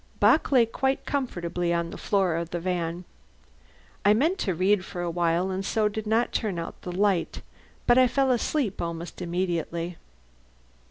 Bock lay quite comfortably on the floor of the van. I meant to read for a while, and so did not turn out the light, but I fell asleep almost immediately.